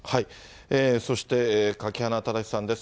そして垣花正さんです。